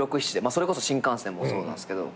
それこそ新感線もそうなんすけど。